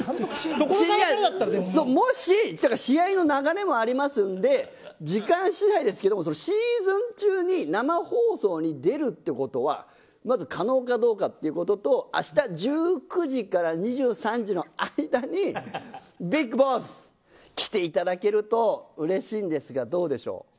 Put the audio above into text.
もし試合の流れもありますので時間次第ですけどシーズン中に生放送に出るってことは可能かどうかということとあした１９時から２３時の間にＢＩＧＢＯＳＳ来ていただけるとうれしいんですがどうでしょう。